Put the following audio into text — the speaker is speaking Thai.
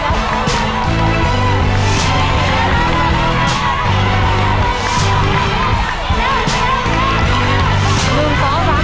ระวังมือด้วยนะลูก